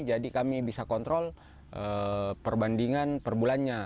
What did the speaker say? jadi kami bisa kontrol perbandingan perbulannya